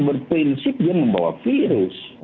berprinsip dia membawa virus